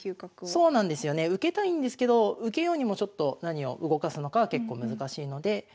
そうなんですよね受けたいんですけど受けようにもちょっと何を動かすのかは結構難しいので。